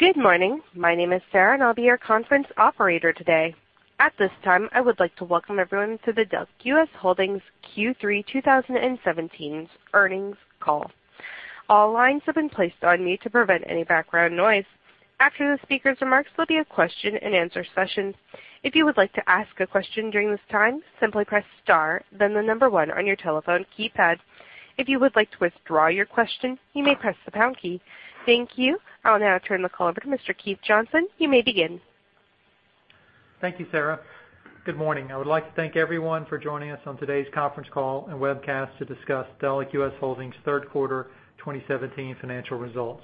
Good morning. My name is Sarah and I'll be your conference operator today. At this time, I would like to welcome everyone to the Delek US Holdings Q3 2017 earnings call. All lines have been placed on mute to prevent any background noise. After the speaker's remarks, there'll be a question and answer session. If you would like to ask a question during this time, simply press star, then the number 1 on your telephone keypad. If you would like to withdraw your question, you may press the pound key. Thank you. I'll now turn the call over to Mr. Keith Johnson. You may begin. Thank you, Sarah. Good morning. I would like to thank everyone for joining us on today's conference call and webcast to discuss Delek US Holdings' third quarter 2017 financial results.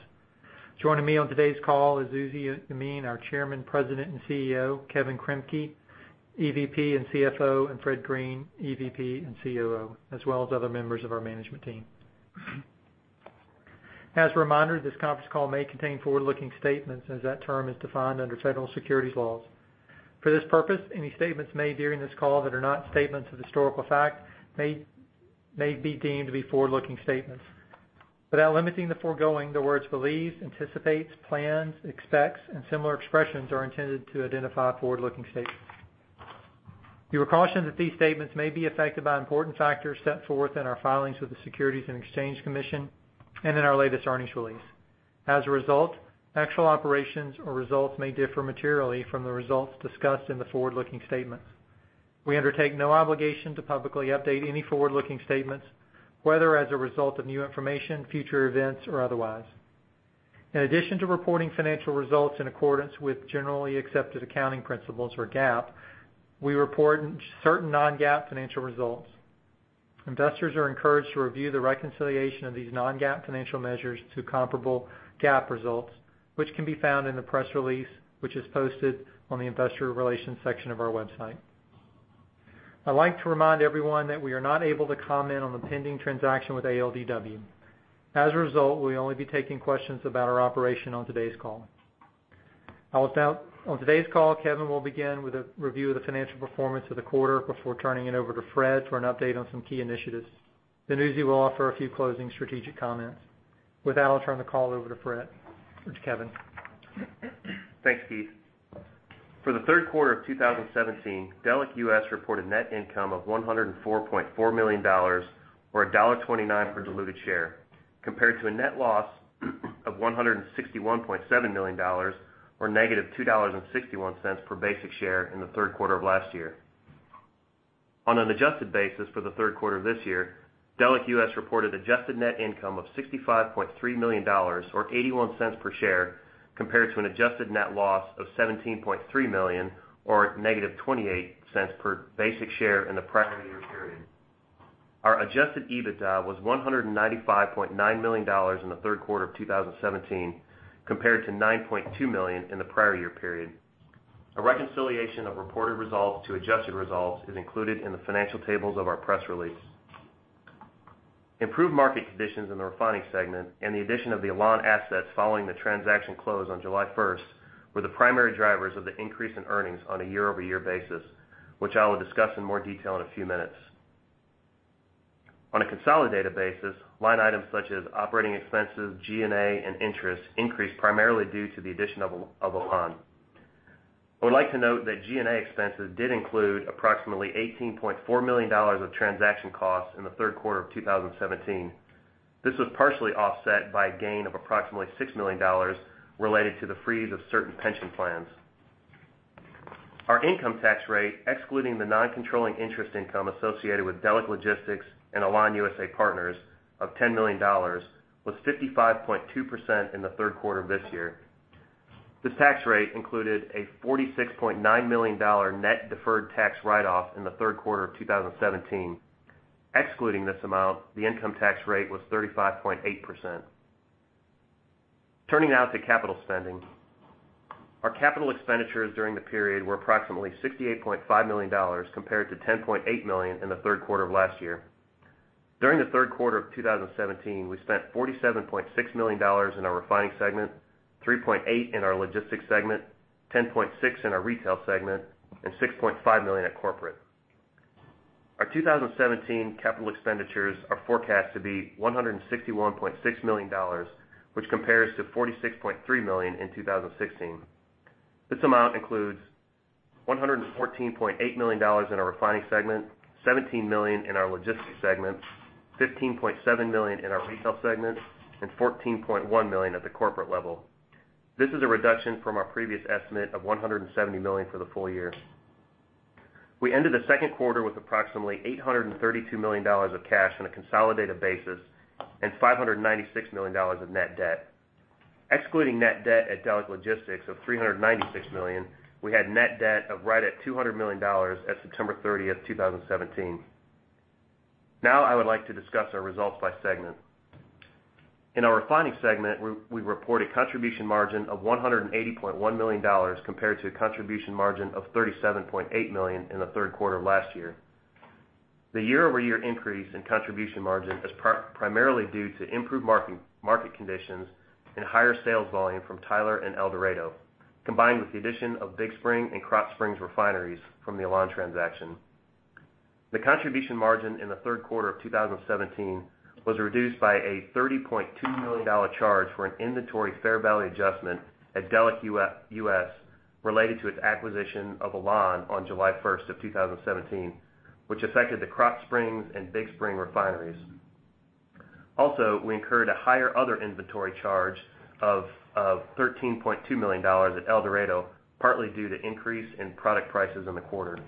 Joining me on today's call is Uzi Yemin, our Chairman, President, and CEO; Kevin Kremke, EVP and CFO; and Fred Green, EVP and COO, as well as other members of our management team. As a reminder, this conference call may contain forward-looking statements as that term is defined under federal securities laws. For this purpose, any statements made during this call that are not statements of historical fact may be deemed to be forward-looking statements. Without limiting the foregoing, the words believe, anticipate, plans, expects, and similar expressions are intended to identify forward-looking statements. We caution that these statements may be affected by important factors set forth in our filings with the Securities and Exchange Commission and in our latest earnings release. As a result, actual operations or results may differ materially from the results discussed in the forward-looking statements. We undertake no obligation to publicly update any forward-looking statements, whether as a result of new information, future events, or otherwise. In addition to reporting financial results in accordance with generally accepted accounting principles or GAAP, we report certain non-GAAP financial results. Investors are encouraged to review the reconciliation of these non-GAAP financial measures to comparable GAAP results, which can be found in the press release, which is posted on the investor relations section of our website. I'd like to remind everyone that we are not able to comment on the pending transaction with ALDW. As a result, we'll only be taking questions about our operation on today's call. On today's call, Kevin will begin with a review of the financial performance of the quarter before turning it over to Fred for an update on some key initiatives. Uzi will offer a few closing strategic comments. With that, I'll turn the call over to Fred. Or to Kevin. Thanks, Keith Johnson. For the third quarter of 2017, Delek US reported net income of $104.4 million, or $1.29 per diluted share, compared to a net loss of $161.7 million or negative $2.61 per basic share in the third quarter of last year. On an adjusted basis for the third quarter of this year, Delek US reported adjusted net income of $65.3 million or $0.81 per share compared to an adjusted net loss of $17.3 million or negative $0.28 per basic share in the prior year period. Our adjusted EBITDA was $195.9 million in the third quarter of 2017, compared to $9.2 million in the prior year period. A reconciliation of reported results to adjusted results is included in the financial tables of our press release. Improved market conditions in the refining segment and the addition of the Alon assets following the transaction close on July 1st were the primary drivers of the increase in earnings on a year-over-year basis, which I will discuss in more detail in a few minutes. On a consolidated basis, line items such as operating expenses, G&A, and interest increased primarily due to the addition of Alon. I would like to note that G&A expenses did include approximately $18.4 million of transaction costs in the third quarter of 2017. This was partially offset by a gain of approximately $6 million related to the freeze of certain pension plans. Our income tax rate, excluding the non-controlling interest income associated with Delek Logistics and Alon USA Partners of $10 million, was 55.2% in the third quarter of this year. This tax rate included a $46.9 million net deferred tax write-off in the third quarter of 2017. Excluding this amount, the income tax rate was 35.8%. Turning now to capital spending. Our capital expenditures during the period were approximately $68.5 million compared to $10.8 million in the third quarter of last year. During the third quarter of 2017, we spent $47.6 million in our refining segment, $3.8 million in our logistics segment, $10.6 million in our retail segment, and $6.5 million at corporate. Our 2017 capital expenditures are forecast to be $161.6 million, which compares to $46.3 million in 2016. This amount includes $114.8 million in our refining segment, $17 million in our logistics segment, $15.7 million in our retail segment, and $14.1 million at the corporate level. This is a reduction from our previous estimate of $170 million for the full year. We ended the second quarter with approximately $832 million of cash on a consolidated basis and $596 million of net debt. Excluding net debt at Delek Logistics of $396 million, we had net debt of right at $200 million at September 30th, 2017. Now I would like to discuss our results by segment. In our refining segment, we report a contribution margin of $180.1 million compared to a contribution margin of $37.8 million in the third quarter of last year. The year-over-year increase in contribution margin is primarily due to improved market conditions and higher sales volume from Tyler and El Dorado, combined with the addition of Big Spring and Krotz Springs refineries from the Alon transaction. The contribution margin in the third quarter of 2017 was reduced by a $30.2 million charge for an inventory fair value adjustment at Delek US related to its acquisition of Alon on July 1st of 2017, which affected the Krotz Springs and Big Spring refineries. We incurred a higher other inventory charge of $13.2 million at El Dorado, partly due to increase in product prices in the quarter.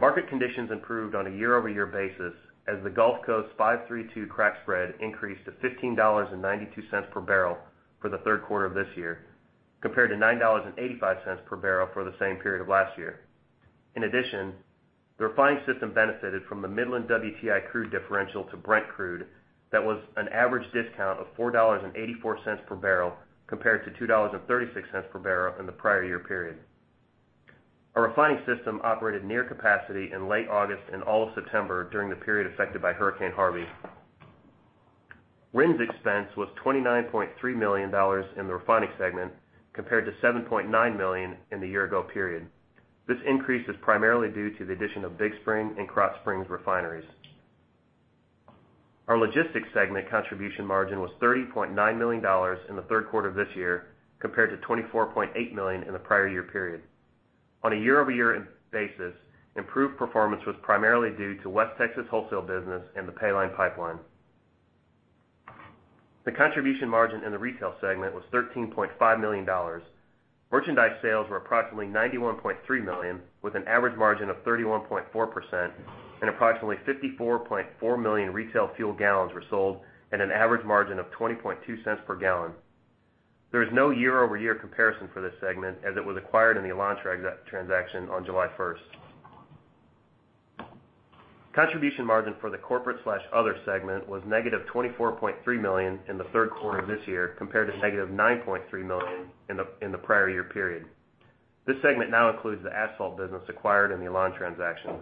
Market conditions improved on a year-over-year basis as the Gulf Coast's 5-3-2 crack spread increased to $15.92 per barrel for the third quarter of this year, compared to $9.85 per barrel for the same period of last year. In addition, the refining system benefited from the Midland WTI crude differential to Brent crude that was an average discount of $4.84 per barrel, compared to $2.36 per barrel in the prior year period. Our refining system operated near capacity in late August and all of September during the period affected by Hurricane Harvey. RINs expense was $29.3 million in the refining segment, compared to $7.9 million in the year-ago period. This increase is primarily due to the addition of Big Spring and Krotz Springs refineries. Our logistics segment contribution margin was $30.9 million in the third quarter of this year, compared to $24.8 million in the prior year period. On a year-over-year basis, improved performance was primarily due to West Texas wholesale business and the Paline Pipeline. The contribution margin in the retail segment was $13.5 million. Merchandise sales were approximately $91.3 million with an average margin of 31.4%, and approximately 54.4 million retail fuel gallons were sold at an average margin of $0.202 per gallon. There is no year-over-year comparison for this segment, as it was acquired in the Alon transaction on July 1st. Contribution margin for the corporate/other segment was negative $24.3 million in the third quarter of this year compared to negative $9.3 million in the prior year period. This segment now includes the asphalt business acquired in the Alon transaction.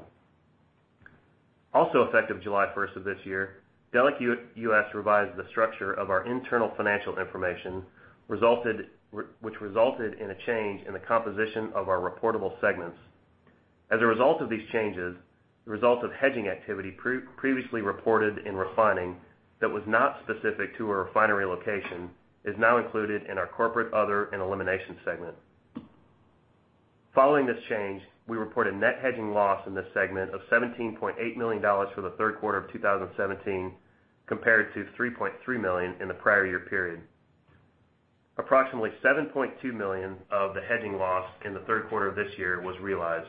Effective July 1st of this year, Delek US revised the structure of our internal financial information, which resulted in a change in the composition of our reportable segments. As a result of these changes, the result of hedging activity previously reported in refining that was not specific to a refinery location is now included in our corporate, other, and elimination segment. Following this change, we report a net hedging loss in this segment of $17.8 million for the third quarter of 2017 compared to $3.3 million in the prior year period. Approximately $7.2 million of the hedging loss in the third quarter of this year was realized.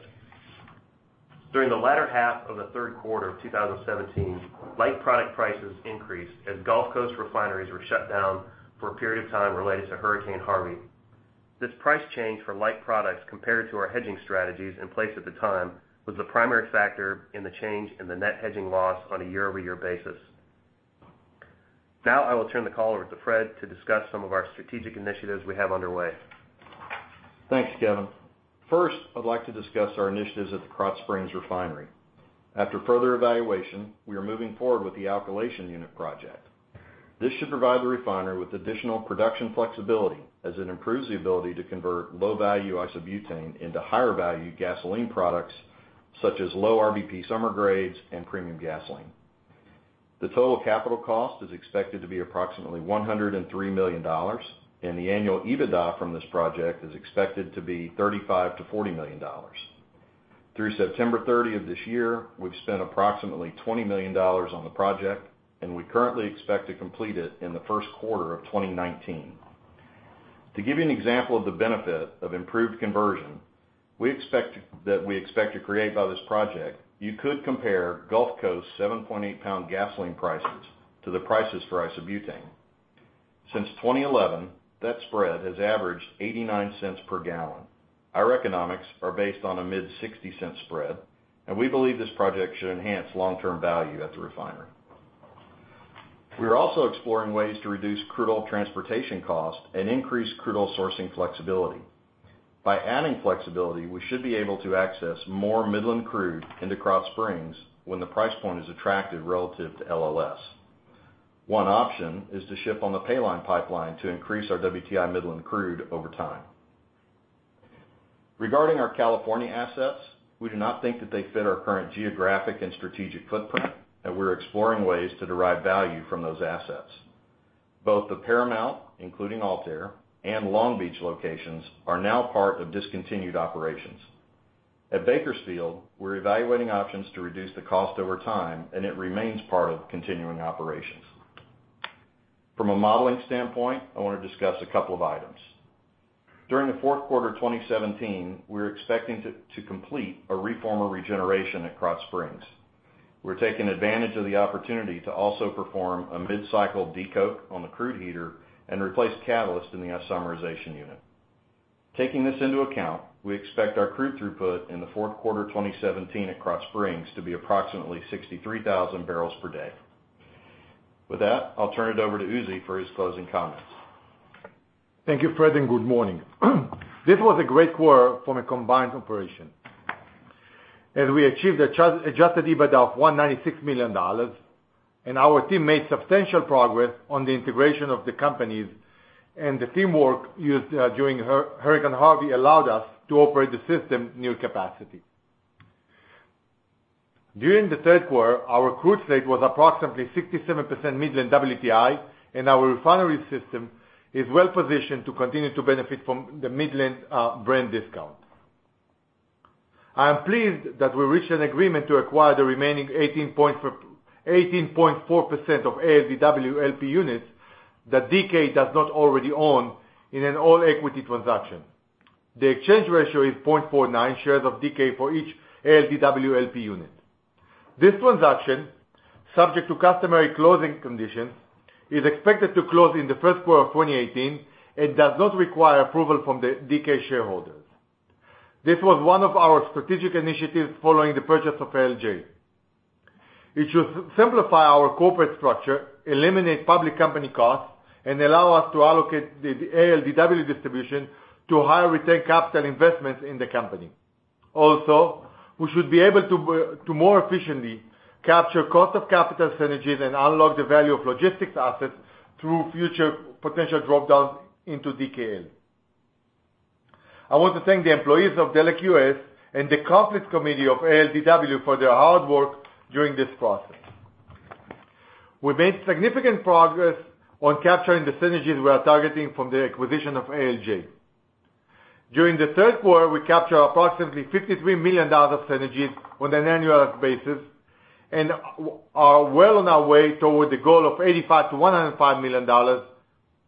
During the latter half of the third quarter of 2017, light product prices increased as Gulf Coast refineries were shut down for a period of time related to Hurricane Harvey. This price change for light products compared to our hedging strategies in place at the time was the primary factor in the change in the net hedging loss on a year-over-year basis. Now I will turn the call over to Fred to discuss some of our strategic initiatives we have underway. Thanks, Kevin. First, I'd like to discuss our initiatives at the Krotz Springs refinery. After further evaluation, we are moving forward with the alkylation unit project. This should provide the refiner with additional production flexibility as it improves the ability to convert low-value isobutane into higher value gasoline products such as low RVP summer grades and premium gasoline. The total capital cost is expected to be approximately $103 million, and the annual EBITDA from this project is expected to be $35 million-$40 million. Through September 30 of this year, we've spent approximately $20 million on the project, and we currently expect to complete it in the first quarter of 2019. To give you an example of the benefit of improved conversion that we expect to create by this project, you could compare Gulf Coast's 7.8-pound gasoline prices to the prices for isobutane. Since 2011, that spread has averaged $0.89 per gallon. Our economics are based on a mid $0.60 spread, and we believe this project should enhance long-term value at the refinery. We are also exploring ways to reduce crude oil transportation costs and increase crude oil sourcing flexibility. By adding flexibility, we should be able to access more Midland crude into Krotz Springs when the price point is attractive relative to LLS. One option is to ship on the Paline Pipeline to increase our WTI Midland crude over time. Regarding our California assets, we do not think that they fit our current geographic and strategic footprint, and we're exploring ways to derive value from those assets. Both the Paramount, including AltAir, and Long Beach locations are now part of discontinued operations. At Bakersfield, we're evaluating options to reduce the cost over time, and it remains part of continuing operations. From a modeling standpoint, I want to discuss a couple of items. During the fourth quarter of 2017, we're expecting to complete a reformer regeneration at Krotz Springs. We're taking advantage of the opportunity to also perform a mid-cycle decoke on the crude heater and replace catalyst in the isomerization unit. Taking this into account, we expect our crude throughput in the fourth quarter 2017 at Krotz Springs to be approximately 63,000 barrels per day. With that, I'll turn it over to Uzi for his closing comments. Thank you, Fred, and good morning. This was a great quarter from a combined operation as we achieved adjusted EBITDA of $196 million Our team made substantial progress on the integration of the companies, the teamwork used during Hurricane Harvey allowed us to operate the system near capacity. During the third quarter, our crude slate was approximately 67% Midland WTI, our refinery system is well-positioned to continue to benefit from the Midland brand discount. I am pleased that we reached an agreement to acquire the remaining 18.4% of ALDW LP units that DK does not already own in an all-equity transaction. The exchange ratio is 0.49 shares of DK for each ALDW LP unit. This transaction, subject to customary closing conditions, is expected to close in the first quarter of 2018 and does not require approval from the DK shareholders. This was one of our strategic initiatives following the purchase of Alon. It should simplify our corporate structure, eliminate public company costs, allow us to allocate the ALDW distribution to higher return capital investments in the company. Also, we should be able to more efficiently capture cost of capital synergies and unlock the value of logistics assets through future potential drop-downs into DKL. I want to thank the employees of Delek US and the Conflict Committee of ALDW for their hard work during this process. We've made significant progress on capturing the synergies we are targeting from the acquisition of Alon. During the third quarter, we captured approximately $53 million of synergies on an annual basis and are well on our way toward the goal of $85 million-$105 million,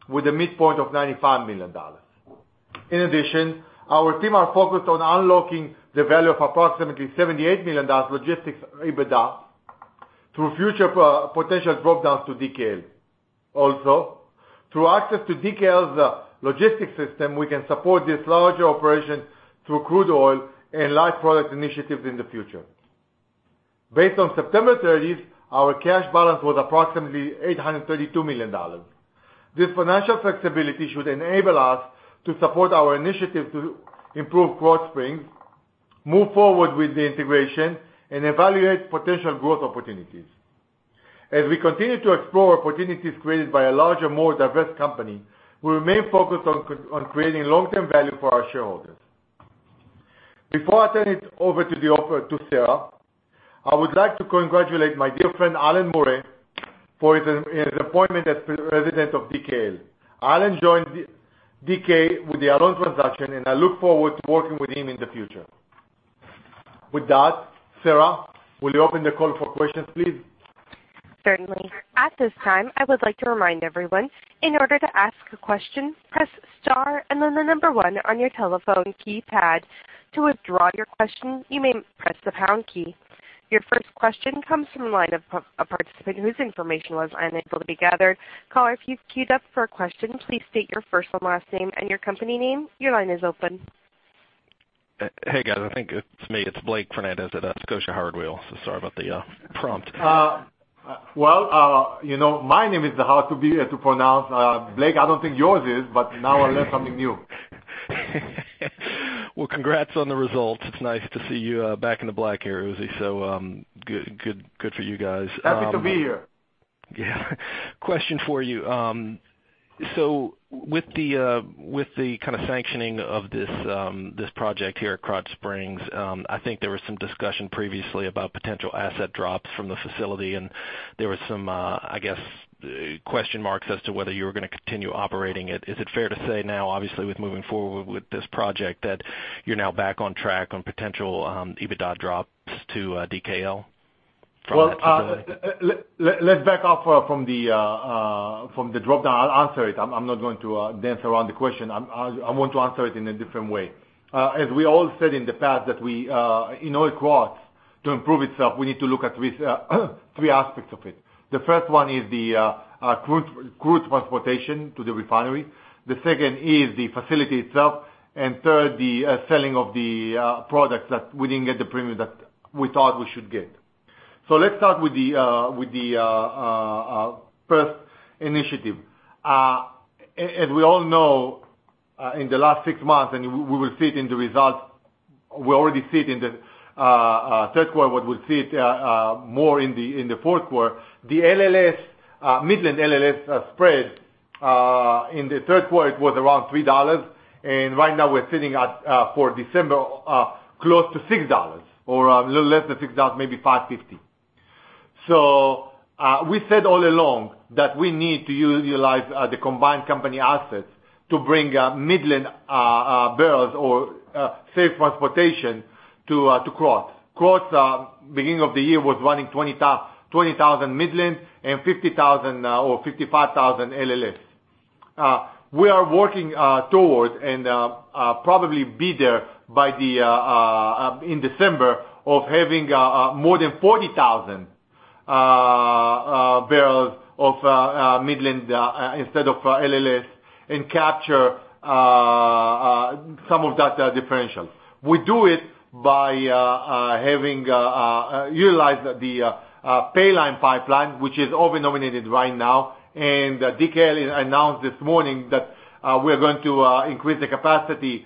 with a midpoint of $95 million. In addition, our team are focused on unlocking the value of approximately $78 million logistics EBITDA through future potential drop-downs to DKL. Through access to DKL's logistics system, we can support this larger operation through crude oil and light product initiatives in the future. Based on September 30th, our cash balance was approximately $832 million. This financial flexibility should enable us to support our initiatives to improve Big Spring, move forward with the integration, evaluate potential growth opportunities. As we continue to explore opportunities created by a larger, more diverse company, we remain focused on creating long-term value for our shareholders. Before I turn it over to Sarah, I would like to congratulate my dear friend, Assi Manor, for his appointment as President of DKL. Assi joined DK with the Alon transaction, I look forward to working with him in the future. With that, Sarah, will you open the call for questions, please? Certainly. At this time, I would like to remind everyone, in order to ask a question, press star and then the number 1 on your telephone keypad. To withdraw your question, you may press the pound key. Your first question comes from the line of a participant whose information was unable to be gathered. Caller, if you've queued up for a question, please state your first and last name and your company name. Your line is open. Hey, guys. I think it's me. It's Blake Fernandez at Scotia Howard Weil. sorry about the prompt. my name is hard to pronounce, Blake, I don't think yours is, but now I learned something new. congrats on the results. It's nice to see you back in the black here, Uzi. good for you guys. Happy to be here. Question for you. With the kind of sanctioning of this project here at Krotz Springs, I think there was some discussion previously about potential asset drops from the facility, and there was some, I guess, question marks as to whether you were going to continue operating it. Is it fair to say now, obviously, with moving forward with this project, that you're now back on track on potential EBITDA drops to DKL from that facility? Let's back off from the drop-down. I'll answer it. I'm not going to dance around the question. I want to answer it in a different way. As we all said in the past, that in Krotz, to improve itself, we need to look at three aspects of it. The first one is the crude transportation to the refinery. The second is the facility itself. Third, the selling of the products that we didn't get the premium that we thought we should get. Let's start with the first initiative. As we all know, in the last six months, we will see it in the results. We already see it in the third quarter, we'll see it more in the fourth quarter. The Midland LLS spread in the third quarter, it was around $3. Right now we're sitting at, for December, close to $6, or a little less than $6, maybe $5.50. We said all along that we need to utilize the combined company assets to bring Midland barrels or safe transportation to Krotz. Krotz, beginning of the year, was running 20,000 Midland and 50,000 or 55,000 LLS. We are working towards, probably be there in December, of having more than 40,000 barrels of Midland instead of LLS and capture some of that differential. We do it by utilizing the Paline Pipeline, which is over-nominated right now. DKL announced this morning that we're going to increase the capacity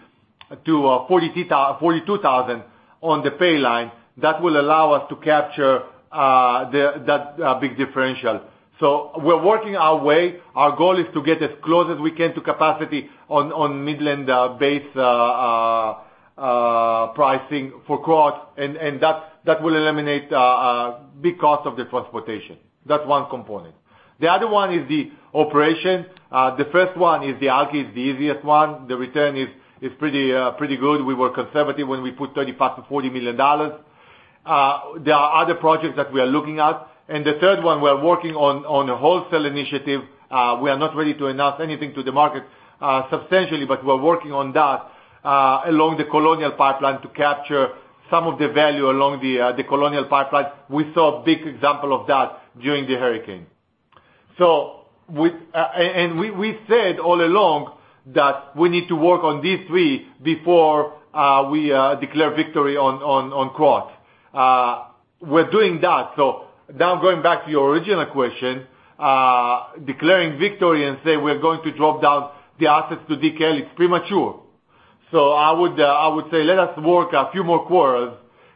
to 42,000 on the Paline, that will allow us to capture that big differential. We're working our way. Our goal is to get as close as we can to capacity on Midland base pricing for Krotz, that will eliminate a big cost of the transportation. That's one component. The other one is the operation. The first one is the Alky, it's the easiest one. The return is pretty good. We were conservative when we put $30 million to $40 million. There are other projects that we are looking at. The third one, we are working on a wholesale initiative. We are not ready to announce anything to the market substantially, we're working on that along the Colonial Pipeline to capture some of the value along the Colonial Pipeline. We saw a big example of that during the hurricane. We said all along that we need to work on these three before we declare victory on Krotz. We're doing that. Now going back to your original question, declaring victory and say we're going to drop down the assets to DK, it's premature. I would say let us work a few more quarters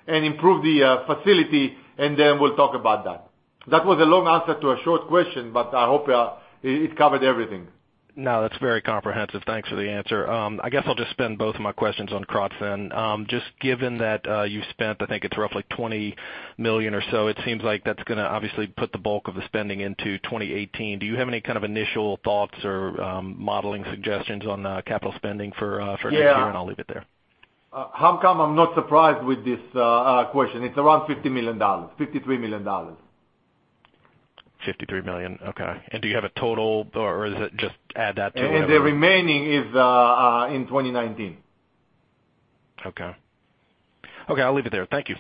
and improve the facility, and then we'll talk about that. That was a long answer to a short question, but I hope it covered everything. No, that's very comprehensive. Thanks for the answer. I guess I'll just spend both of my questions on Krotz then. Given that you spent, I think it's roughly $20 million or so, it seems like that's going to obviously put the bulk of the spending into 2018. Do you have any kind of initial thoughts or modeling suggestions on capital spending for next year? Yeah. I'll leave it there. How come I'm not surprised with this question? It's around $50 million, $53 million. 53 million. Okay. Do you have a total or is it just add that to the other- The remaining is in 2019. Okay. Okay, I'll leave it there. Thank you.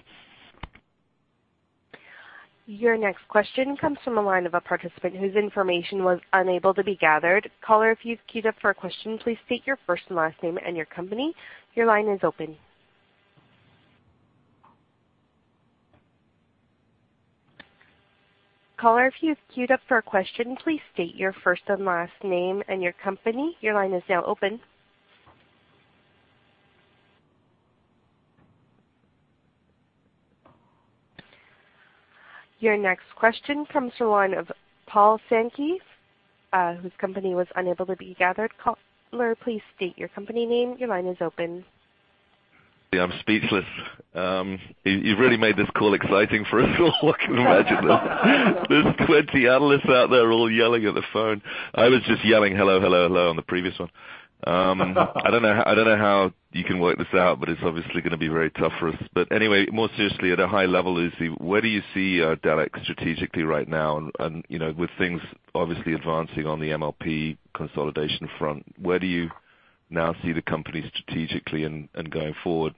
Your next question comes from a line of a participant whose information was unable to be gathered. Caller, if you've queued up for a question, please state your first and last name and your company. Your line is open. Caller, if you've queued up for a question, please state your first and last name and your company. Your line is now open. Your next question comes from one of Paul Sankey, whose company was unable to be gathered. Caller, please state your company name. Your line is open. Yeah, I'm speechless. You've really made this call exciting for us all. I can imagine there's 20 analysts out there all yelling at the phone. I was just yelling, "Hello, hello" on the previous one. I don't know how you can work this out, but it's obviously going to be very tough for us. Anyway, more seriously at a high level, Uzi, where do you see Delek strategically right now? With things obviously advancing on the MLP consolidation front, where do you now see the company strategically and going forward?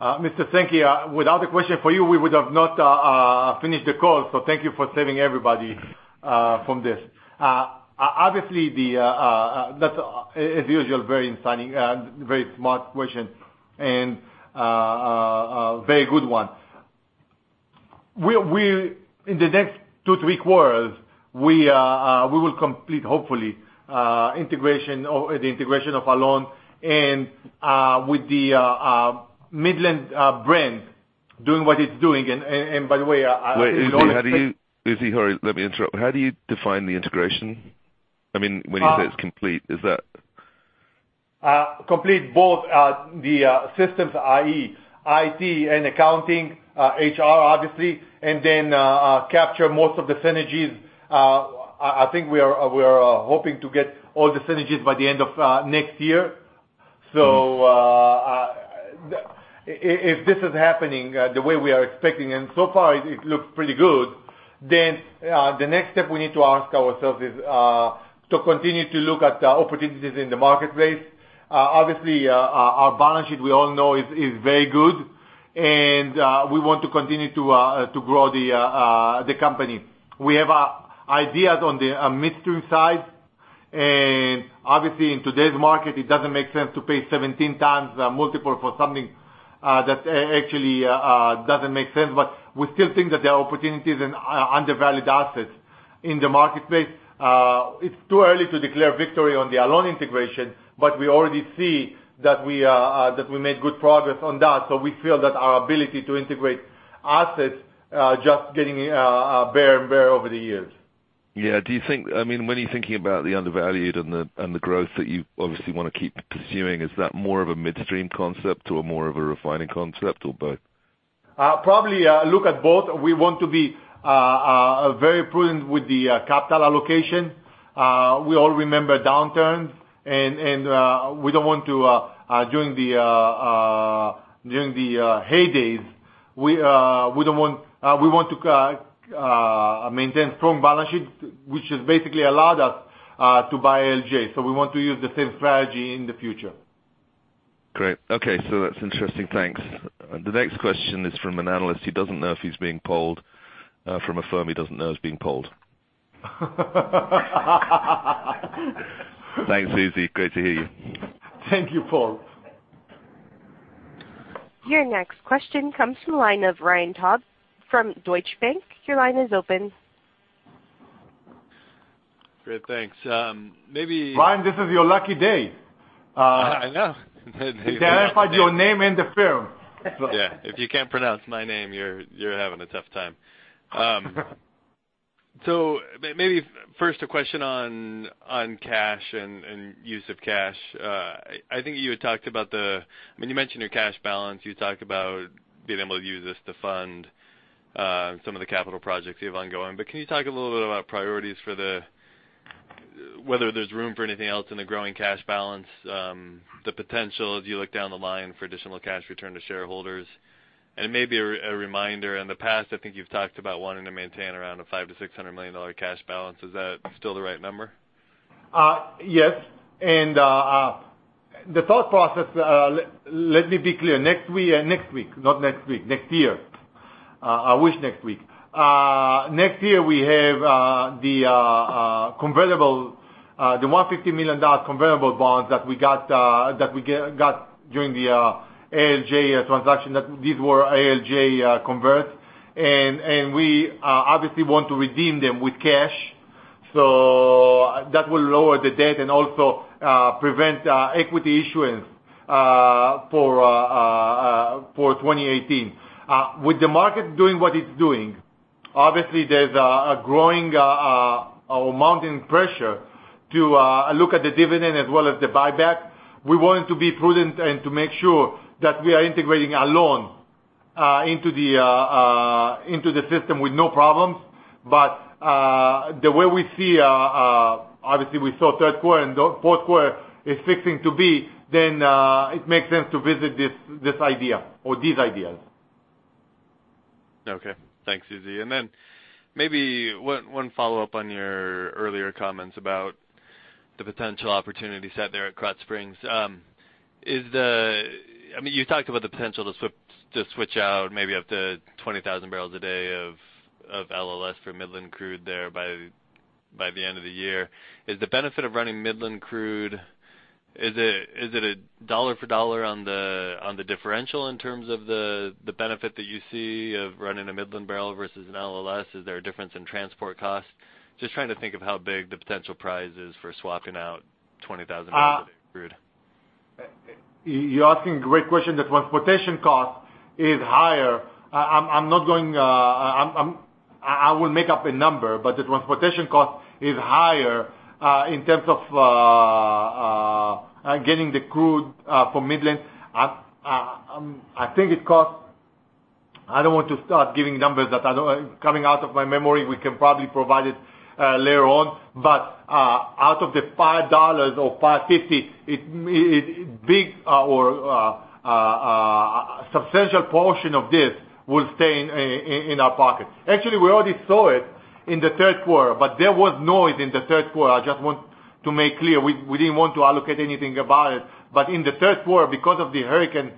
Thanks. Mr. Sankey, without the question for you, we would have not finished the call, so thank you for saving everybody from this. Obviously, that's as usual, very smart question and very good one. In the next two, three quarters, we will complete, hopefully, the integration of Alon and with the Midland brand doing what it's doing. By the way- Wait, Uzi, how do you, sorry, let me interrupt. How do you define the integration? When you say it's complete, is that- Complete both the systems, i.e., IT and accounting, HR, obviously, and then capture most of the synergies. I think we are hoping to get all the synergies by the end of next year. If this is happening the way we are expecting, and so far it looks pretty good, then the next step we need to ask ourselves is to continue to look at opportunities in the marketplace. Obviously, our balance sheet, we all know is very good, and we want to continue to grow the company. We have ideas on the midstream side, and obviously in today's market, it doesn't make sense to pay 17 times multiple for something that actually doesn't make sense. We still think that there are opportunities in undervalued assets in the marketplace. It's too early to declare victory on the Alon integration, but we already see that we made good progress on that. We feel that our ability to integrate assets, just getting better and better over the years. Yeah. When you're thinking about the undervalued and the growth that you obviously want to keep pursuing, is that more of a midstream concept or more of a refining concept or both? Probably look at both. We want to be very prudent with the capital allocation. We all remember downturns. During the heydays, we want to maintain strong balance sheets, which has basically allowed us to buy Alon. We want to use the same strategy in the future. Great. Okay. That's interesting. Thanks. The next question is from an analyst. He doesn't know if he's being polled from a firm he doesn't know is being polled. Thanks, Uzi. Great to hear you. Thank you, Paul. Your next question comes from the line of Ryan Todd from Deutsche Bank. Your line is open. Great. Thanks. Ryan, this is your lucky day. I know. They identified your name and the firm. Yeah. If you can't pronounce my name, you're having a tough time. Maybe first a question on cash and use of cash. I think you had talked about when you mentioned your cash balance, you talked about being able to use this to fund some of the capital projects you have ongoing. Can you talk a little bit about priorities for whether there's room for anything else in the growing cash balance, the potential as you look down the line for additional cash return to shareholders? Maybe a reminder, in the past, I think you've talked about wanting to maintain around a $500 million to $600 million cash balance. Is that still the right number? Yes. The thought process, let me be clear. Not next week, next year. I wish next week. Next year, we have the $150 million convertible bonds that we got during the ALJ transaction, that these were ALJ converts. We obviously want to redeem them with cash. That will lower the debt and also prevent equity issuance for 2018. With the market doing what it's doing, obviously there's a growing or mounting pressure to look at the dividend as well as the buyback. We wanted to be prudent and to make sure that we are integrating Alon into the system with no problems. The way we see, obviously we saw third quarter, and fourth quarter is fixing to be, then it makes sense to visit this idea or these ideas. Okay. Thanks, Uzi. Maybe one follow-up on your earlier comments about the potential opportunity set there at Krotz Springs. You talked about the potential to switch out maybe up to 20,000 barrels a day of LLS for Midland crude there by the end of the year. Is the benefit of running Midland crude, is it a dollar for dollar on the differential in terms of the benefit that you see of running a Midland barrel versus an LLS? Is there a difference in transport costs? Just trying to think of how big the potential prize is for swapping out 20,000 barrels a day of crude. You're asking great question. The transportation cost is higher. I will make up a number, the transportation cost is higher, in terms of getting the crude from Midland. I don't want to start giving numbers that are coming out of my memory. We can probably provide it later on. Out of the $5 or $5.50, a big or a substantial portion of this will stay in our pocket. Actually, we already saw it in the third quarter, there was noise in the third quarter. I just want to make clear, we didn't want to allocate anything about it. In the third quarter, because of the hurricane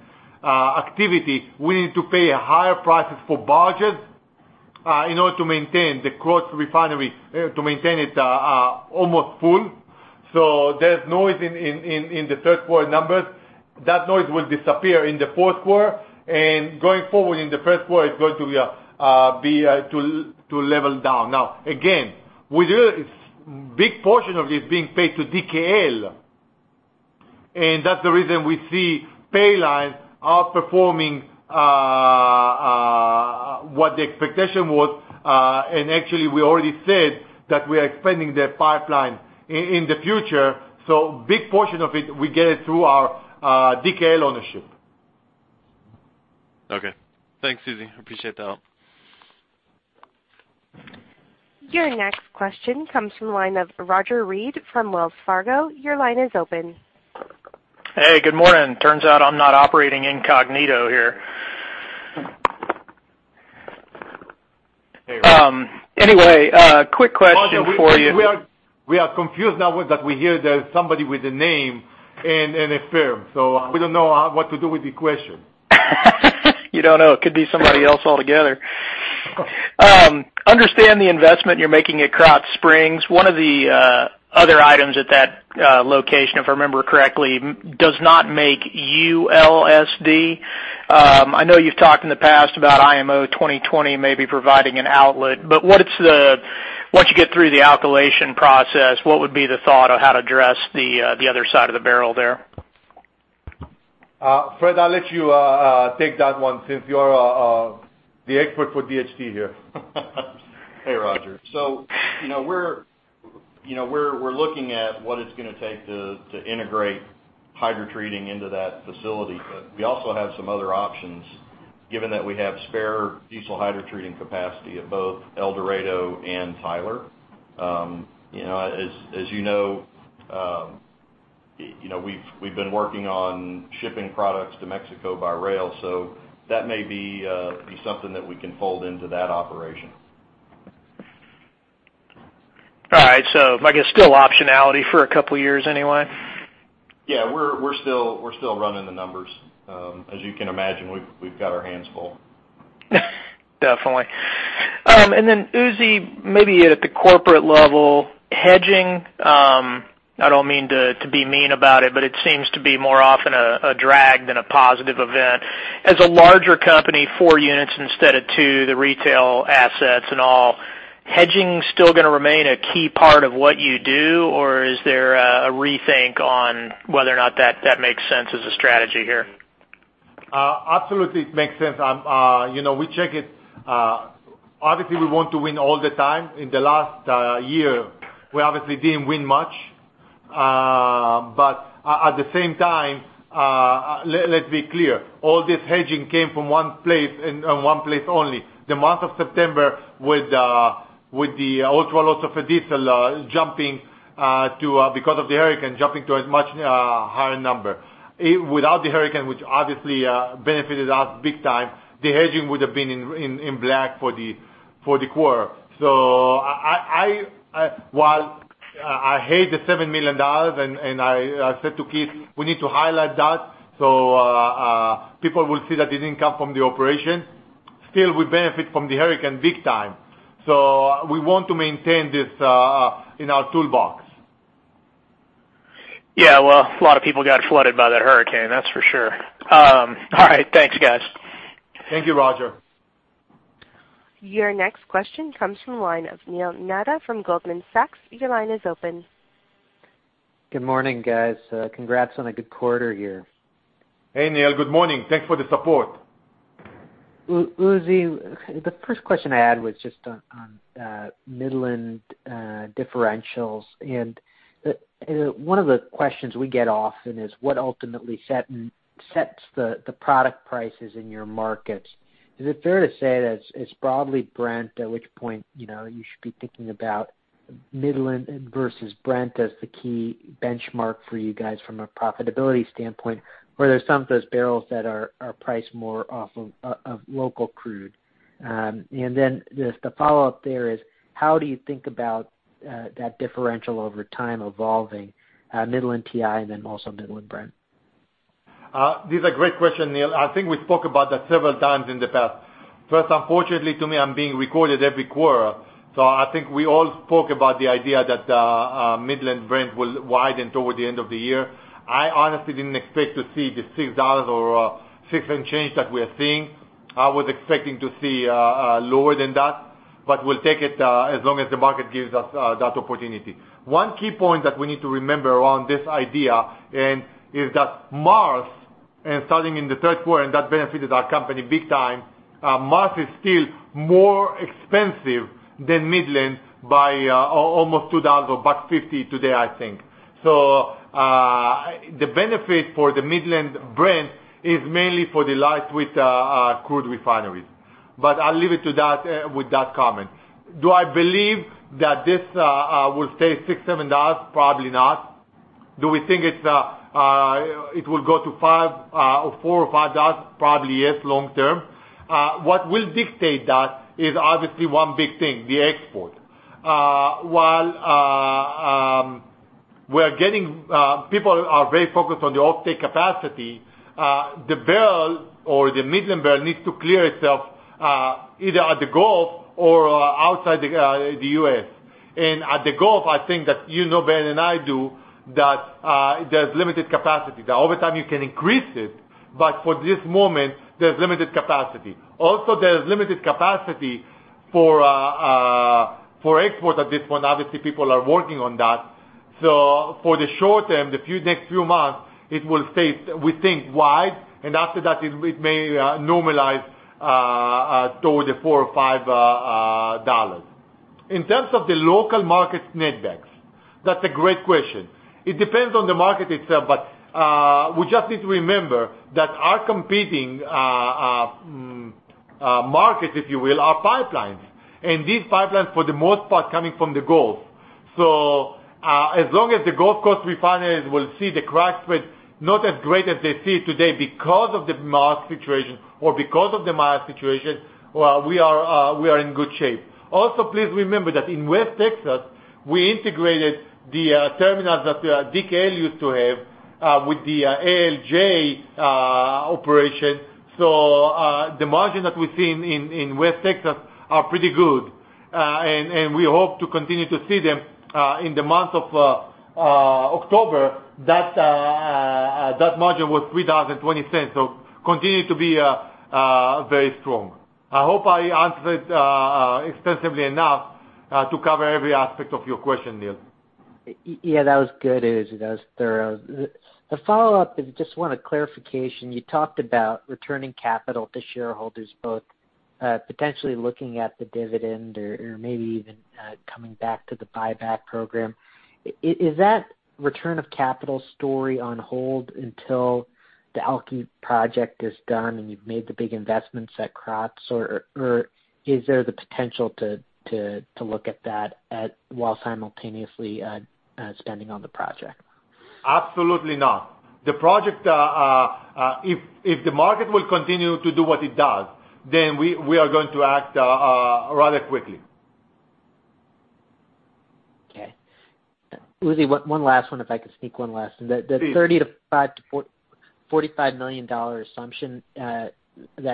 activity, we needed to pay higher prices for barges in order to maintain the Krotz refinery, to maintain it almost full. There's noise in the third quarter numbers. That noise will disappear in the fourth quarter, going forward in the first quarter, it's going to level down. Again, big portion of this is being paid to DKL. That's the reason we see Paline Pipeline outperforming what the expectation was. We already said that we are expanding their pipeline in the future. Big portion of it, we get it through our DKL ownership. Okay. Thanks, Uzi. I appreciate the help. Your next question comes from the line of Roger Read from Wells Fargo. Your line is open. Hey, good morning. Turns out I'm not operating incognito here. Hey, Roger. Anyway, quick question for you. Roger, we are confused now that we hear there's somebody with a name and a firm, so we don't know what to do with the question. You don't know. It could be somebody else altogether. Understand the investment you're making at Krotz Springs. One of the other items at that location, if I remember correctly, does not make ULSD. I know you've talked in the past about IMO 2020 maybe providing an outlet, but once you get through the alkylation process, what would be the thought of how to address the other side of the barrel there? Fred, I'll let you take that one since you're the expert for DHT here. Hey, Roger. We're looking at what it's going to take to integrate hydrotreating into that facility. We also have some other options given that we have spare diesel hydrotreating capacity at both El Dorado and Tyler. As you know, we've been working on shipping products to Mexico by rail, so that may be something that we can fold into that operation. All right. I guess still optionality for a couple of years anyway? Yeah, we're still running the numbers. As you can imagine, we've got our hands full. Definitely. Then, Uzi, maybe at the corporate level, hedging. I don't mean to be mean about it, but it seems to be more often a drag than a positive event. As a larger company, 4 units instead of 2, the retail assets and all, hedging still going to remain a key part of what you do? Or is there a rethink on whether or not that makes sense as a strategy here? Absolutely, it makes sense. Obviously, we want to win all the time. In the last year, we obviously didn't win much. At the same time, let's be clear. All this hedging came from one place and one place only. The month of September with the ultra-low sulfur diesel, because of the hurricane, jumping to a much higher number. Without the hurricane, which obviously benefited us big time, the hedging would've been in black for the quarter. While I hate the $7 million, and I said to Keith, we need to highlight that so people will see that it didn't come from the operation. Still, we benefit from the hurricane big time. We want to maintain this in our toolbox. Yeah. Well, a lot of people got flooded by that hurricane, that's for sure. All right. Thanks, guys. Thank you, Roger. Your next question comes from the line of Neil Mehta from Goldman Sachs. Your line is open. Good morning, guys. Congrats on a good quarter here. Hey, Neil. Good morning. Thanks for the support. Uzi, the first question I had was just on Midland differentials. One of the questions we get often is what ultimately sets the product prices in your markets. Is it fair to say that it's broadly Brent, at which point you should be thinking about Midland versus Brent as the key benchmark for you guys from a profitability standpoint, where there's some of those barrels that are priced more off of local crude. Then just the follow-up there is how do you think about that differential over time evolving Midland WTI and then also Midland Brent? These are great questions, Neil. I think we spoke about that several times in the past. First, unfortunately to me, I'm being recorded every quarter, I think we all spoke about the idea that Midland Brent will widen toward the end of the year. I honestly didn't expect to see the $6 or 6 and change that we are seeing. I was expecting to see lower than that, but we'll take it, as long as the market gives us that opportunity. One key point that we need to remember around this idea and is that Mars, and starting in the third quarter, and that benefited our company big time. Mars is still more expensive than Midland by almost $2 a $1.50 today, I think. The benefit for the Midland Brent is mainly for the light sweet crude refineries, but I'll leave it to that with that comment. Do I believe that this will stay 6, $7? Probably not. Do we think it will go to 4 or $5? Probably yes, long term. What will dictate that is obviously one big thing, the export. While people are very focused on the off-take capacity, the barrel or the Midland barrel needs to clear itself, either at the Gulf or outside the U.S. At the Gulf, I think that you know better than I do that there's limited capacity. That over time you can increase it, but for this moment, there's limited capacity. Also, there's limited capacity for export at this point. Obviously, people are working on that. For the short term, the next few months, it will stay, we think, wide, and after that, it may normalize toward the 4 or $5. In terms of the local market setbacks. That's a great question. It depends on the market itself, we just need to remember that our competing markets, if you will, are pipelines, and these pipelines for the most part coming from the Gulf. As long as the Gulf Coast refineries will see the crack spread not as great as they see it today because of the Mars situation or because of the Maya situation, we are in good shape. Also, please remember that in West Texas, we integrated the terminal that DKL used to have with the Alon operation. The margin that we see in West Texas are pretty good, and we hope to continue to see them in the month of October. That margin was $3.20, continued to be very strong. I hope I answered extensively enough to cover every aspect of your question, Neil. Yeah. That was good, Uzi. That was thorough. The follow-up is just want a clarification. You talked about returning capital to shareholders, both potentially looking at the dividend or maybe even coming back to the buyback program. Is that return of capital story on hold until the Alky project is done, and you've made the big investments at Krotz, or is there the potential to look at that while simultaneously spending on the project? Absolutely not. If the market will continue to do what it does, we are going to act rather quickly. Okay. Uzi, one last one, if I could sneak one last in. Please. The $35 million-$45 million assumption that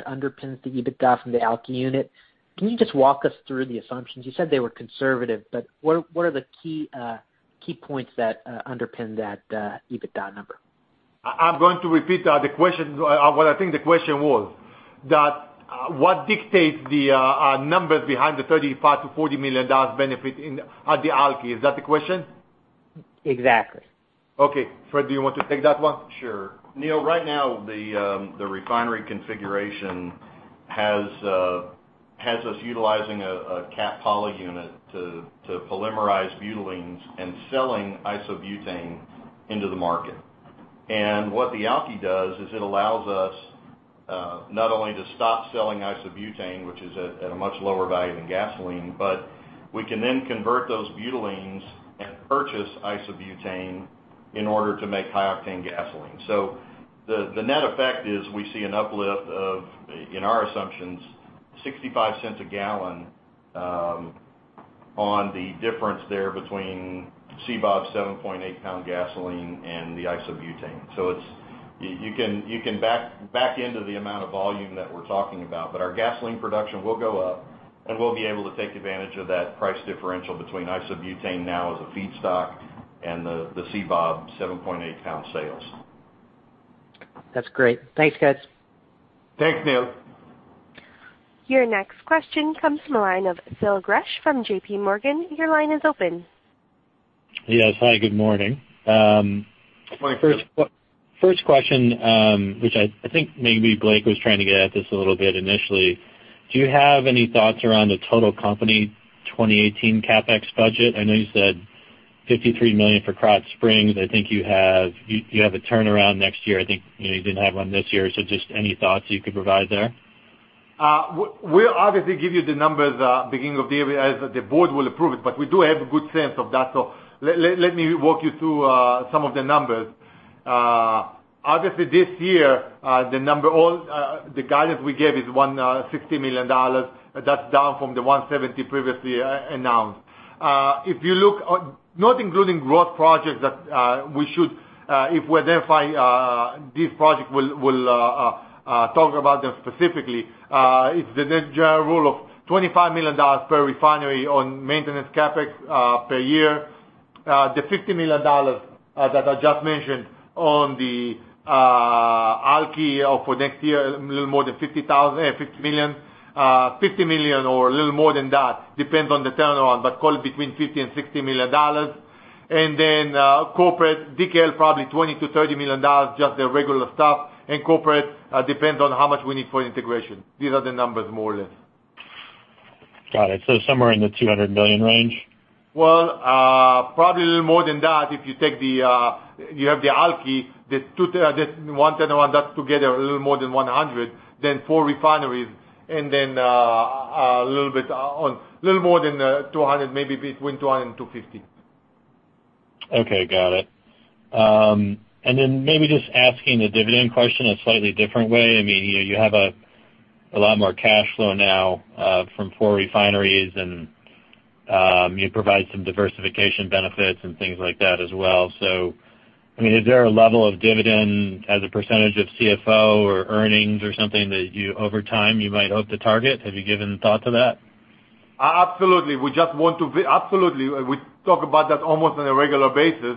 underpins the EBITDA from the Alky unit, can you just walk us through the assumptions? You said they were conservative, what are the key points that underpin that EBITDA number? I'm going to repeat what I think the question was. What dictates the numbers behind the $35 million-$40 million benefit at the Alky? Is that the question? Exactly. Okay. Fred, do you want to take that one? Sure. Neil, right now, the refinery configuration has us utilizing a cat poly unit to polymerize butylenes and selling isobutane into the market. What the Alky does is it allows us not only to stop selling isobutane, which is at a much lower value than gasoline, we can then convert those butylenes and purchase isobutane in order to make high octane gasoline. The net effect is we see an uplift of, in our assumptions, $0.65 a gallon on the difference there between CBOB 7.8 pound gasoline and the isobutane. You can back into the amount of volume that we're talking about. Our gasoline production will go up, and we'll be able to take advantage of that price differential between isobutane now as a feedstock and the CBOB 7.8 pound sales. That's great. Thanks, guys. Thanks, Neil. Your next question comes from the line of Phil Gresh from J.P. Morgan. Your line is open. Yes. Hi, good morning. Good morning, Phil. First question, which I think maybe Blake was trying to get at this a little bit initially. Do you have any thoughts around the total company 2018 CapEx budget? I know you said $53 million for Krotz Springs. I think you have a turnaround next year. I think you didn't have one this year. Just any thoughts you could provide there? We'll obviously give you the numbers at beginning of the year as the board will approve it, but we do have a good sense of that. Let me walk you through some of the numbers. Obviously, this year, the guidance we gave is $160 million. That's down from the $170 million previously announced. Not including growth projects that if we identify these projects, we'll talk about them specifically. It's the general rule of $25 million per refinery on maintenance CapEx per year. The $50 million that I just mentioned on the Alky for next year, a little more than $50 million, or a little more than that, depends on the turnaround, but call it between $50 and $60 million. DKL, probably $20 million-$30 million, just the regular stuff. Corporate, depends on how much we need for integration. These are the numbers, more or less. Got it. Somewhere in the $200 million range? Well, probably a little more than that. If you have the Alky, the one turnaround, that's together a little more than 100. Four refineries, and then a little more than 200, maybe between 200 and 250. Okay, got it. Maybe just asking the dividend question a slightly different way. You have a lot more cash flow now from four refineries, and you provide some diversification benefits and things like that as well. Is there a level of dividend as a percentage of CFO or earnings or something that over time you might hope to target? Have you given thought to that? Absolutely. We talk about that almost on a regular basis.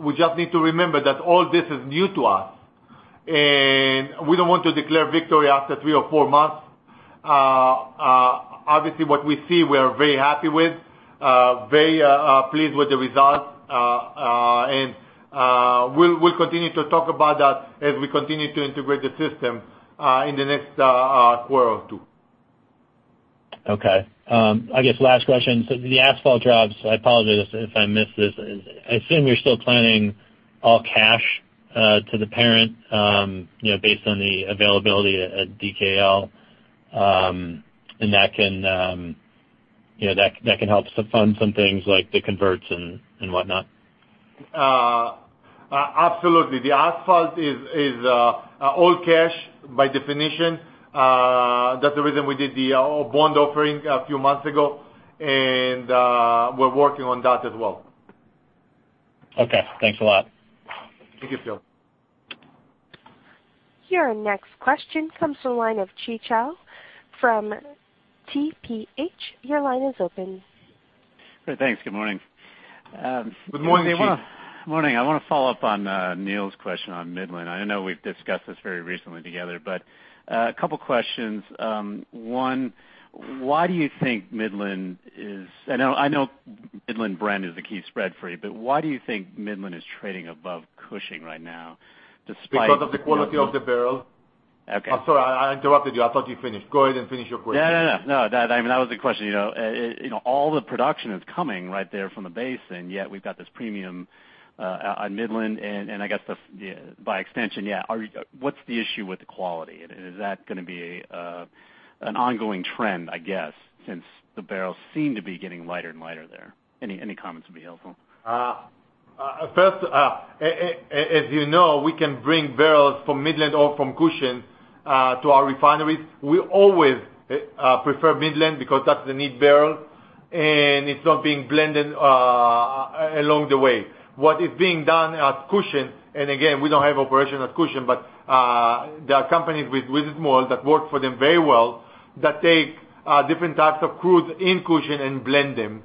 We just need to remember that all this is new to us, and we don't want to declare victory after three or four months. Obviously, what we see, we are very happy with, very pleased with the results. We'll continue to talk about that as we continue to integrate the system in the next quarter or two. Okay. I guess last question. The asphalt drops, I apologize if I missed this. I assume you're still planning all cash to the parent based on the availability at DKL, and that can help to fund some things like the converts and whatnot. Absolutely. The asphalt is all cash by definition. That's the reason we did the bond offering a few months ago, and we're working on that as well. Okay. Thanks a lot. Thank you, Phil. Your next question comes from the line of Chi Chow from TPH. Your line is open. Great. Thanks. Good morning. Good morning, Chi. Morning. I want to follow up on Neil's question on Midland. I know we've discussed this very recently together, a couple questions. One, I know Midland brand is a key spread for you, why do you think Midland is trading above Cushing right now despite. Because of the quality of the barrel. Okay. I'm sorry I interrupted you. I thought you finished. Go ahead and finish your question. No, no. That was the question. All the production is coming right there from the basin, yet we've got this premium on Midland and I guess by extension, yeah. What's the issue with the quality? Is that going to be an ongoing trend, I guess, since the barrels seem to be getting lighter and lighter there? Any comments would be helpful. First, as you know, we can bring barrels from Midland or from Cushing to our refineries. We always prefer Midland because that's the neat barrel, and it's not being blended along the way. What is being done at Cushing, and again, we don't have operation at Cushing, but there are companies with that work for them very well that take different types of crude in Cushing and blend them.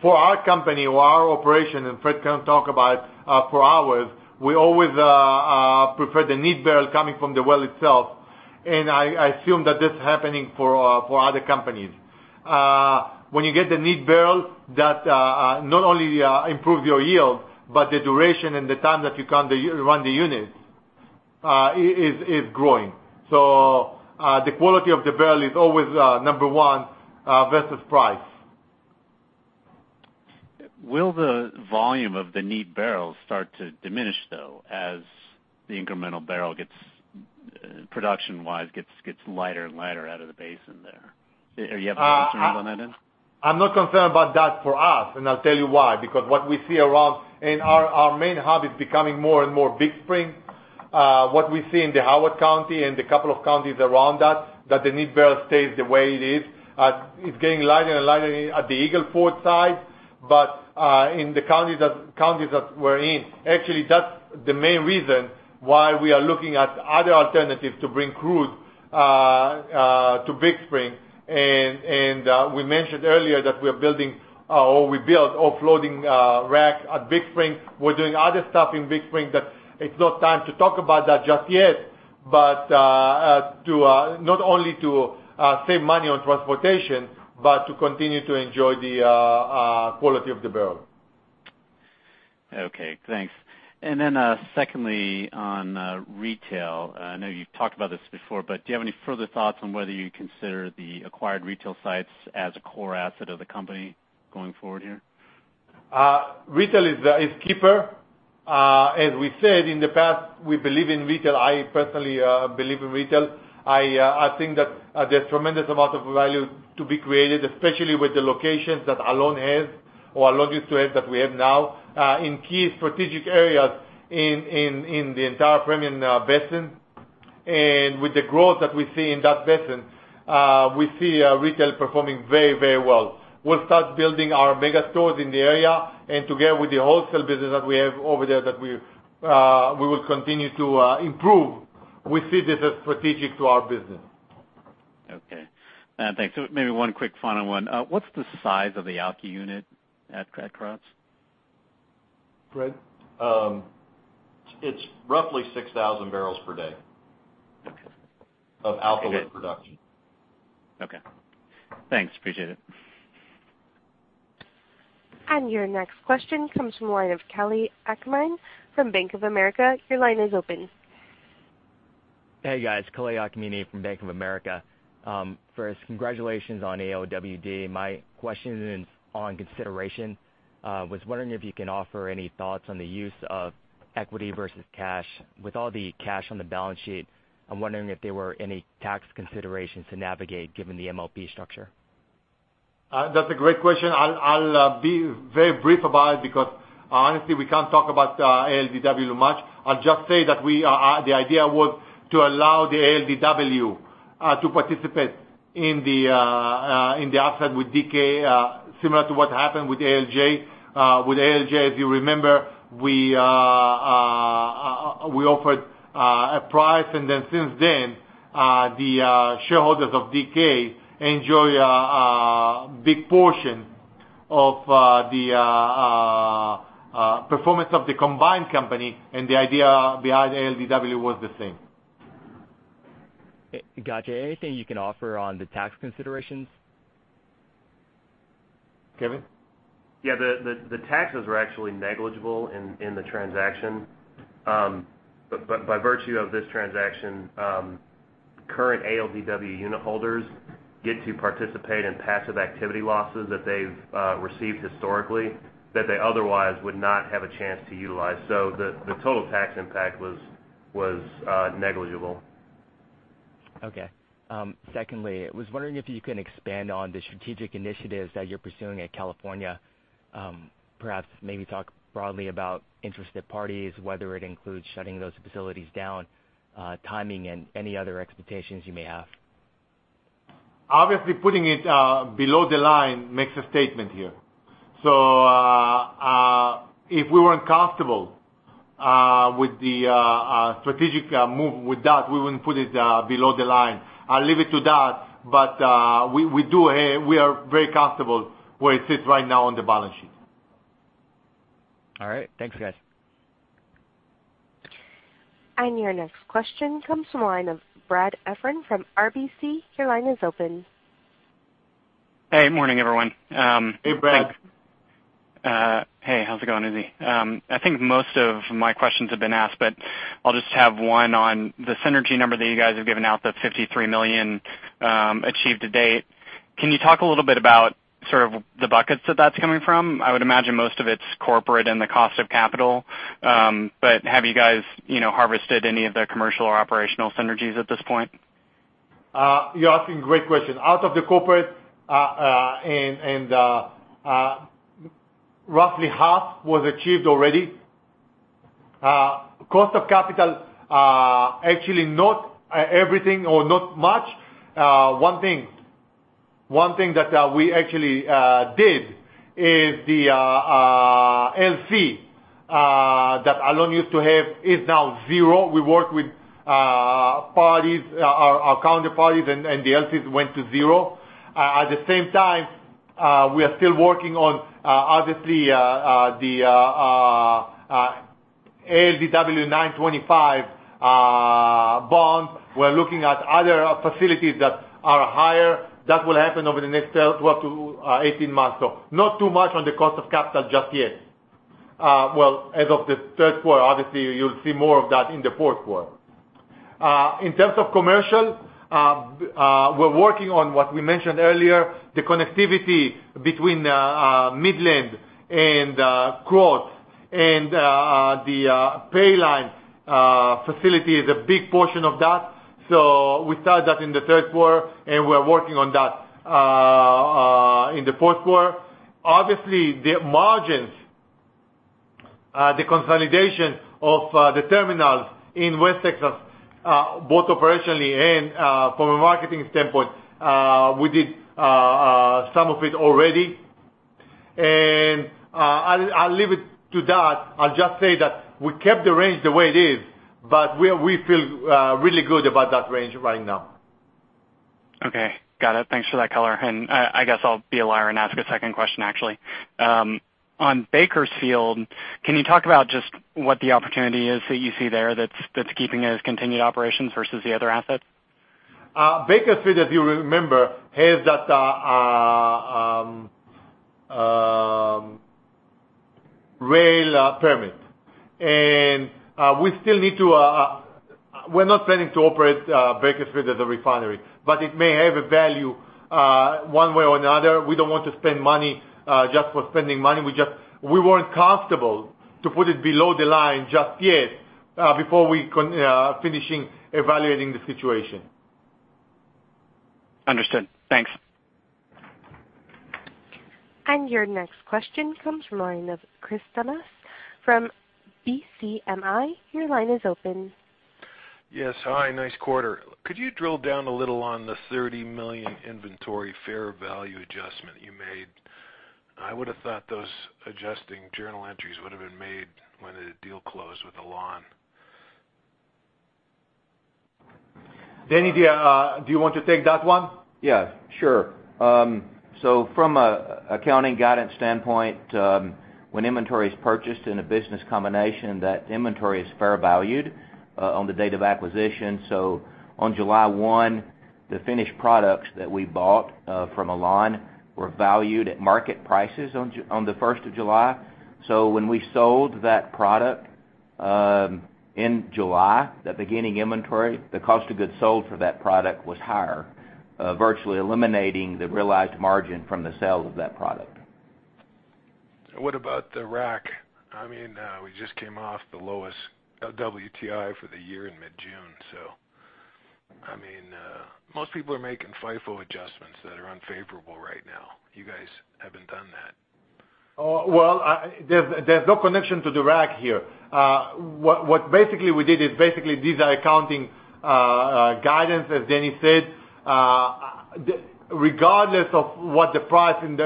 For our company or our operation, and Fred can talk about for hours, we always prefer the neat barrel coming from the well itself, and I assume that this is happening for other companies. When you get the neat barrel, that not only improves your yield, but the duration and the time that you can run the unit is growing. The quality of the barrel is always number one versus price. Will the volume of the neat barrels start to diminish, though, as the incremental barrel, production-wise, gets lighter and lighter out of the basin there? You have any concerns on that end? I'm not concerned about that for us, I'll tell you why. What we see around, our main hub is becoming more and more Big Spring. What we see in the Howard County and the couple of counties around that the neat barrel stays the way it is. It's getting lighter and lighter at the Eagle Ford site. In the counties that we're in, actually, that's the main reason why we are looking at other alternatives to bring crude to Big Spring. We mentioned earlier that we're building, or we built offloading rack at Big Spring. We're doing other stuff in Big Spring that it's not time to talk about that just yet. Not only to save money on transportation, but to continue to enjoy the quality of the barrel. Okay, thanks. Secondly, on retail, I know you've talked about this before, do you have any further thoughts on whether you consider the acquired retail sites as a core asset of the company going forward here? Retail is keeper. As we said in the past, we believe in retail. I personally believe in retail. I think that there's tremendous amount of value to be created, especially with the locations that Alon has or Alon gives to us that we have now, in key strategic areas in the entire Permian Basin. With the growth that we see in that basin, we see retail performing very well. We'll start building our mega stores in the area and together with the wholesale business that we have over there that we will continue to improve. We see this as strategic to our business. Okay. Thanks. Maybe one quick final one. What's the size of the Alky unit at Krotz? Fred? It's roughly 6,000 barrels per day. Okay. Of Alky unit production. Okay. Thanks, appreciate it. Your next question comes from the line of Kaleinohea Akamine from Bank of America. Your line is open. Hey, guys. Kalei Akamine from Bank of America. First, congratulations on ALDW. My question is on consideration. Was wondering if you can offer any thoughts on the use of equity versus cash. With all the cash on the balance sheet, I'm wondering if there were any tax considerations to navigate given the MLP structure. That's a great question. I'll be very brief about it because honestly, we can't talk about ALDW much. I'll just say that the idea was to allow the ALDW to participate in the offset with DK, similar to what happened with ALJ. With ALJ, if you remember, we offered a price, then since then, the shareholders of DK enjoy a big portion of the performance of the combined company, the idea behind ALDW was the same. Got you. Anything you can offer on the tax considerations? Kevin? Yeah. The taxes were actually negligible in the transaction. By virtue of this transaction, current ALDW unit holders get to participate in passive activity losses that they've received historically that they otherwise would not have a chance to utilize. The total tax impact was negligible. Okay. Secondly, I was wondering if you can expand on the strategic initiatives that you're pursuing at California. Perhaps maybe talk broadly about interested parties, whether it includes shutting those facilities down, timing, and any other expectations you may have. Obviously, putting it below the line makes a statement here. If we weren't comfortable with the strategic move with that, we wouldn't put it below the line. I'll leave it to that, but we are very comfortable where it sits right now on the balance sheet. All right. Thanks, guys. Your next question comes from the line of Brad Heffern from RBC. Your line is open. Hey, morning, everyone. Hey, Brad. Hey, how's it going, Uzi? I think most of my questions have been asked. I'll just have one on the synergy number that you guys have given out, the $53 million achieved to date. Can you talk a little bit about sort of the buckets that that's coming from? I would imagine most of it's corporate and the cost of capital. Have you guys harvested any of the commercial or operational synergies at this point? You're asking great questions. Out of the corporate, roughly half was achieved already. Cost of capital, actually not everything or not much. One thing that we actually did is the LC that Alon used to have is now zero. We work with our counter parties, the LCs went to zero. At the same time, we are still working on, obviously, the ALDW 9.25 bond. We're looking at other facilities that are higher. That will happen over the next 12 to 18 months. Not too much on the cost of capital just yet. Well, as of the third quarter, obviously, you'll see more of that in the fourth quarter. In terms of commercial, we're working on what we mentioned earlier, the connectivity between Midland and Krotz, and the Paline Pipeline facility is a big portion of that. We started that in the third quarter, and we're working on that in the fourth quarter. Obviously, the margins, the consolidation of the terminals in West Texas, both operationally and from a marketing standpoint, we did some of it already. I'll leave it to that. I'll just say that we kept the range the way it is, but we feel really good about that range right now. Okay. Got it. Thanks for that color. I guess I'll be a liar and ask a second question, actually. On Bakersfield, can you talk about just what the opportunity is that you see there that's keeping those continued operations versus the other assets? Bakersfield, if you remember, has that rail permit. We're not planning to operate Bakersfield as a refinery, but it may have a value one way or another. We don't want to spend money just for spending money. We weren't comfortable to put it below the line just yet, before we finishing evaluating the situation. Understood. Thanks. Your next question comes from the line of Chris Souki from BCMI. Your line is open. Yes. Hi, nice quarter. Could you drill down a little on the $30 million inventory fair value adjustment you made? I would've thought those adjusting journal entries would've been made when the deal closed with Alon. Danny, do you want to take that one? Yes. Sure. From an accounting guidance standpoint, when inventory is purchased in a business combination, that inventory is fair valued on the date of acquisition. On July 1, the finished products that we bought from Alon were valued at market prices on the 1st of July. When we sold that product in July, the beginning inventory, the cost of goods sold for that product was higher, virtually eliminating the realized margin from the sale of that product. What about the rack? We just came off the lowest WTI for the year in mid-June. Most people are making FIFO adjustments that are unfavorable right now. You guys haven't done that. Well, there's no connection to the rack here. What basically we did is these are accounting guidance, as Danny said. Regardless of what the price at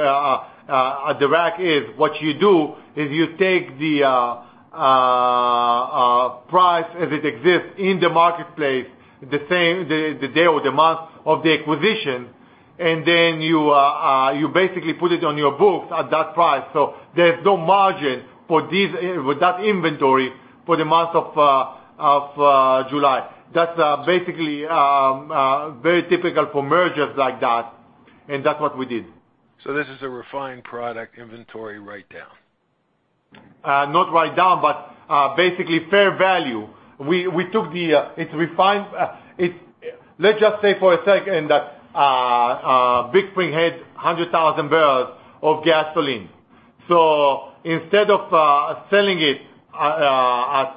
the rack is, what you do is you take the price as it exists in the marketplace the day or the month of the acquisition, and then you basically put it on your books at that price. There's no margin with that inventory for the month of July. That's basically very typical for mergers like that, and that's what we did. This is a refined product inventory write down. Not write down, but basically fair value. Let's just say for a second that Big Spring had 100,000 barrels of gasoline. Instead of selling it at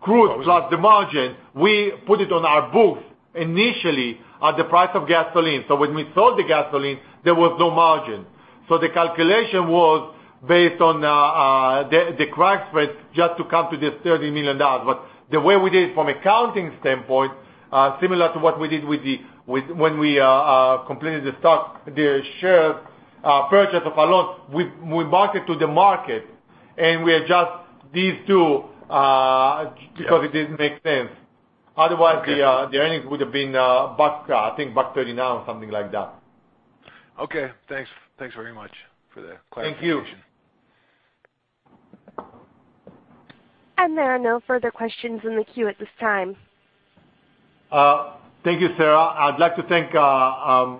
crude plus the margin, we put it on our books initially at the price of gasoline. When we sold the gasoline, there was no margin. The calculation was based on the crack spread just to come to this $30 million. The way we did it from accounting standpoint, similar to what we did when we completed the shares purchase of Alon, we market to the market, and we adjust these two- Yeah because it didn't make sense. Okay The earnings would've been I think back $39, something like that. Okay. Thanks very much for the clarification. Thank you. There are no further questions in the queue at this time. Thank you, Sarah. I'd like to thank the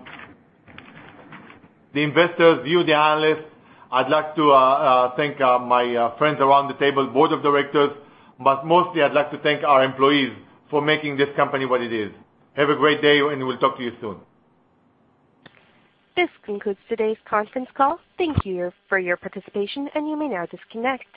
investors, you, the analysts. I'd like to thank my friends around the table, board of directors, but mostly I'd like to thank our employees for making this company what it is. Have a great day, and we'll talk to you soon. This concludes today's conference call. Thank you for your participation, and you may now disconnect.